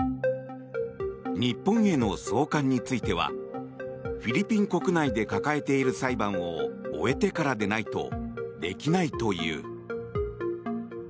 日本への送還についてはフィリピン国内で抱えている裁判を終えてからでないとできないという。